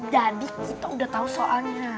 jadi kita udah tau soalnya